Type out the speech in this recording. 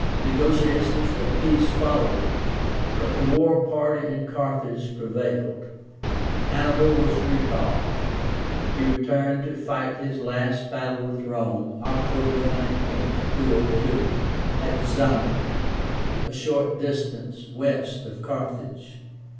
Negotiations for peace followed, but the war party in Carthage prevailed. Hannibal was recalled. He returned to fight his last battle with Rome, October 19, 202, at ZAMA, a short distance west of Carthage.